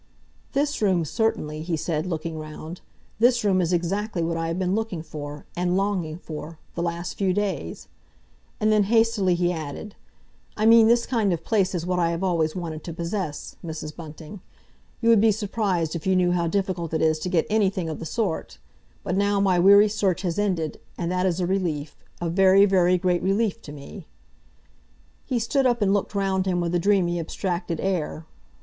"This room, certainly," he said, looking round. "This room is exactly what I have been looking for, and longing for, the last few days;" and then hastily he added, "I mean this kind of place is what I have always wanted to possess, Mrs. Bunting. You would be surprised if you knew how difficult it is to get anything of the sort. But now my weary search has ended, and that is a relief—a very, very great relief to me!" He stood up and looked round him with a dreamy, abstracted air.